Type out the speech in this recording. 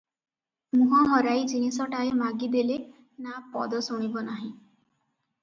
ମୁଁହ ହରାଇ ଜିନିଷଟାଏ ମାଗିଦେଲେ ନା ପଦ ଶୁଣିବ ନାହିଁ ।